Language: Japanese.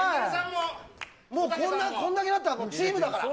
こんだけやったらチームだから。